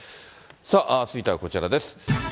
続いてはこちらです。